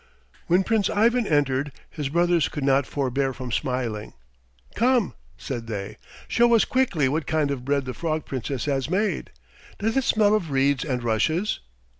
When Prince Ivan entered his brothers could not forbear from smiling. "Come!" said they, "show us quickly what kind of bread the Frog Princess has made. Does it smell of reeds and rushes?"